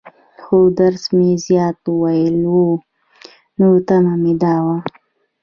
خو درس مې زيات وويلى وو، نو تمه مې دا وه.